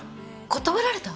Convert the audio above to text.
断られた！？